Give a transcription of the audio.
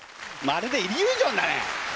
まるでイリュージョンだね。